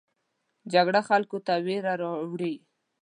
جګړه خلکو ته ویره راوړي